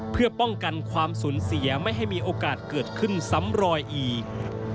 เพื่อป้องกันความสูญเสียไม่ให้มีโอกาสเกิดขึ้นซ้ำรอยอีก